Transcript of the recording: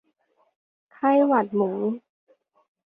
ไข้หวัดหมู